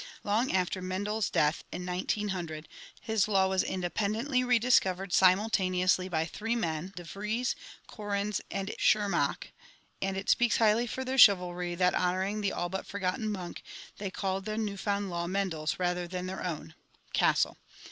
Long after Men del's death, in 1900, his law was independently rediscovered simul taneously by three men, De Vries, Correns, and Tschermak, and it 158 ORGANIC EVOLUTION speaks highly for their chivalry that " honoring the all but forgotten monk, they called the npw found law Mendel's, rather than their own" (Castle).